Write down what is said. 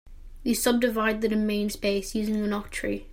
We subdivide the domain space using an octree.